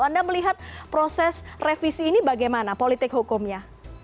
anda melihat proses revisi ini bagaimana politik hukumnya